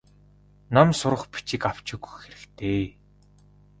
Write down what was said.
Ном сурах бичиг авч өгөх хэрэгтэй.